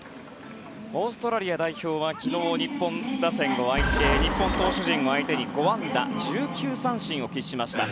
オーストラリア代表は昨日、日本の投手を相手に５安打１９三振を喫しました。